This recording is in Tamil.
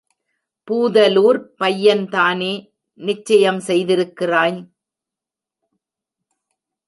பூதலூர்ப் பையன்தானே நிச்சயம் செய்திருக்கிறாய்?